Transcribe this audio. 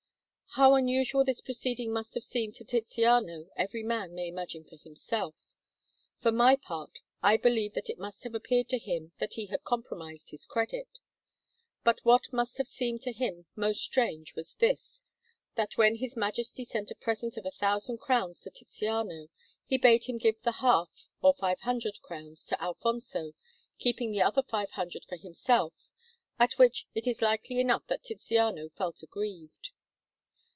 How unusual this proceeding must have seemed to Tiziano every man may imagine for himself. For my part, I believe that it must have appeared to him that he had compromised his credit. But what must have seemed to him most strange was this, that when his Majesty sent a present of a thousand crowns to Tiziano, he bade him give the half, or five hundred crowns, to Alfonso, keeping the other five hundred for himself, at which it is likely enough that Tiziano felt aggrieved.